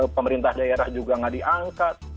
pemerintah daerah juga nggak diangkat